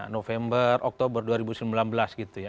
november oktober dua ribu sembilan belas gitu ya